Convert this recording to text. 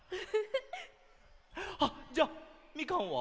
あっじゃあ「みかん」は？